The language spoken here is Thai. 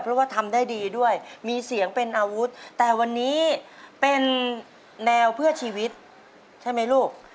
เพราะว่าทำได้ดีด้วยมีเสียงเป็นอาวุธแต่วันนี้เป็นแนวเพื่อชีวิตใช่ไหมลูก